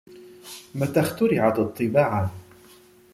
متى اخترعت الطباعة ؟